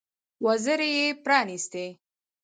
وزرې يې پرانيستې.